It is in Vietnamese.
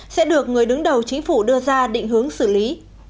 sẽ được người đứng đầu chính phủ đưa ra định hướng xử lý